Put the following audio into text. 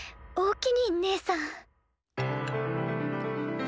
おおきにねえさん。